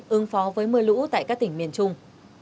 ứng phó với mưa lũ tại các tỉnh miền trung